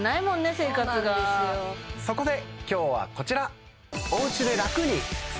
生活がそこで今日はこちら！